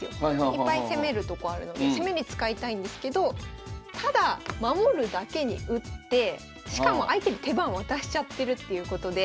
いっぱい攻めるとこあるので攻めに使いたいんですけどただ守るだけに打ってしかも相手に手番渡しちゃってるっていうことで。